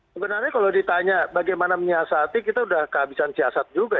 sebenarnya kalau ditanya bagaimana menyiasati kita sudah kehabisan siasat juga